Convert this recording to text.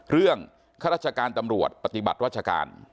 ข้าราชการตำรวจปฏิบัติราชการ